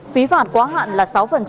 phí phạt quá hạn là sáu